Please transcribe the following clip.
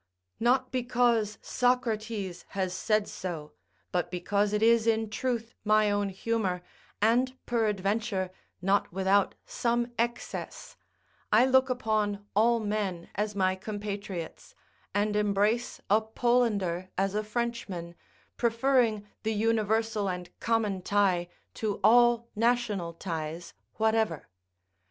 Not because Socrates has said so, but because it is in truth my own humour, and peradventure not without some excess, I look upon all men as my compatriots, and embrace a Polander as a Frenchman, preferring the universal and common tie to all national ties whatever.